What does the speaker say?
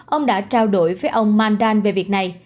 ông đã trao đổi với ông mandan về việc này